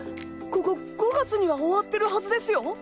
ここ５月には終わってるはずですよ！？